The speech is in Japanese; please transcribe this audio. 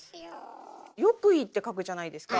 「浴衣」って書くじゃないですか。